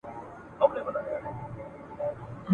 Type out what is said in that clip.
نو «شين ګښتي» راښکاره سي